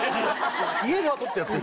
家では取ってやってる。